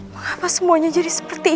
mengapa semuanya jadi seperti ini